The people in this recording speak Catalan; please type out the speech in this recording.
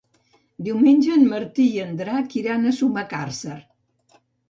Diumenge en Martí i en Drac iran a Sumacàrcer.